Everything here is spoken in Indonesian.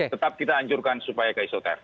tetap kita anjurkan supaya ke isoter